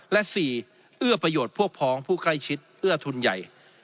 และ๔เอื้อประโยชน์พวกพ้องผู้ใกล้ชิดเอื้อทุนใหญ่